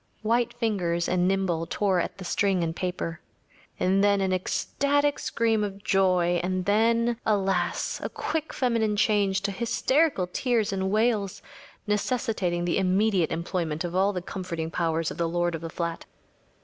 ‚ÄĚ White fingers and nimble tore at the string and paper. And then an ecstatic scream of joy; and then, alas! a quick feminine change to hysterical tears and wails, necessitating the immediate employment of all the comforting powers of the lord of the flat.